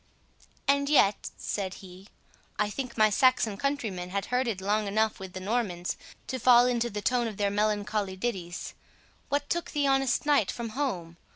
"And yet," said he, "I think my Saxon countrymen had herded long enough with the Normans, to fall into the tone of their melancholy ditties. What took the honest knight from home?